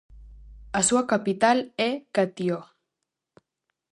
A súa capital é Catió.